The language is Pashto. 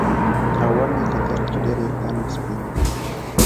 او ومې کتل چې ډېر ویښتان مې سپین دي